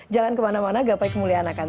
jangan kemana mana gapai kemuliakan